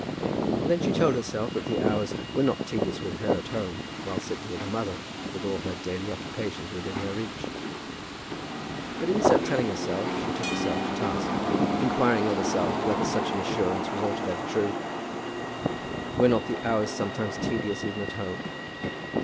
And then she told herself that the hours were not tedious with her at home, while sitting with her mother, with all her daily occupations within her reach. But in so telling herself she took herself to task, inquiring of herself whether such an assurance was altogether true. Were not the hours sometimes tedious even at home?